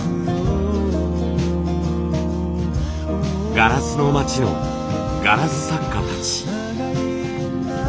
ガラスの町のガラス作家たち。